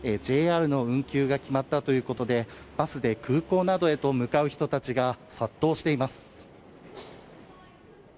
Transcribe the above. ＪＲの運休が決まったということでバスで空港などへと向かう人たちが殺到しています。